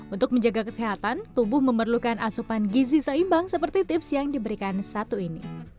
untuk menjaga kesehatan tubuh memerlukan asupan gizi seimbang seperti tips yang diberikan satu ini